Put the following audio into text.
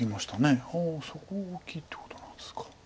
そこが大きいってことなんですか。